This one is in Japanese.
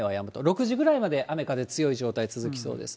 ６時くらいまで雨風強い状態、続きそうです。